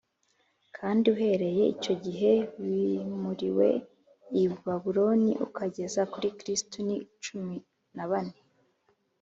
, kandi uhereye icyo gihe bimuriwe i Babuloni ukageza kuri Kristo ni cumi na bane.